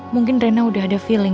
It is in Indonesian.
mungkin rena udah ada feeling